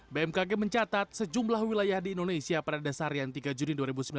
bmkg mencatat sejumlah wilayah di indonesia pada dasarian tiga juni dua ribu sembilan belas